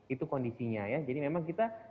itu kondisinya ya jadi memang kita